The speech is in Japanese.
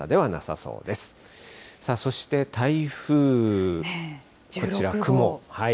そして台風、こちら、雲。